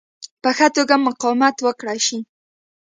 په ښه توګه مقاومت وکړای شي.